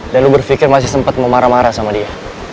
dan lu berpikir masih sempet mau marah marah sama dia